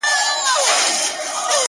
زړه راته زخم کړه، زارۍ کومه،